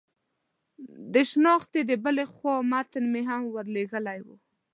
د شنختې د بلې خوا متن مې هم ور لېږلی و.